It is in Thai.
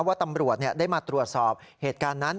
ว่าตำรวจได้มาตรวจสอบเหตุการณ์นั้น